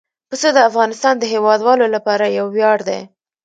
پسه د افغانستان د هیوادوالو لپاره یو ویاړ دی.